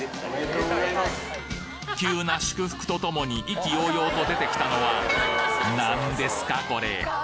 急な祝福とともに意気揚々と出てきたのは何ですかこれ？